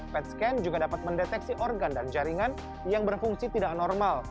pet scan juga dapat mendeteksi organ dan jaringan yang berfungsi tidak normal